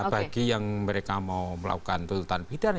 bagi yang mereka mau melakukan tuntutan pidana